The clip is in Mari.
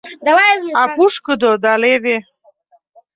А пушкыдо да леве.